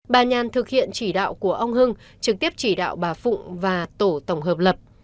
bà nhàn thực hiện chỉ đạo của ông hưng trực tiếp chỉ đạo bà phụng và tổ tổng hợp lập